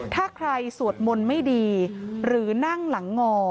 ถ้าใครสวดมนต์ไม่ดีหรือนั่งหลังงอ